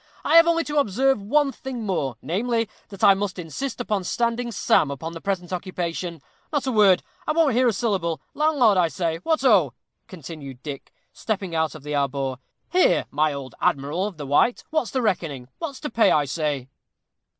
"I have only to observe one thing more, namely, that I must insist upon standing Sam upon the present occasion. Not a word. I won't hear a syllable. Landlord, I say what oh!" continued Dick, stepping out of the arbor. "Here, my old Admiral of the White, what's the reckoning? what's to pay, I say?"